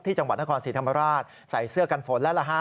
ที่จังหวัดนครสีธรรมราชใส่เสื้อกันฝนและระฮะ